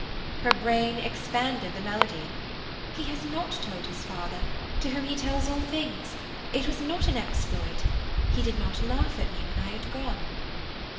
Her brain expanded the melody: "He has not told his father—to whom he tells all things. It was not an exploit. He did not laugh at me when I had gone."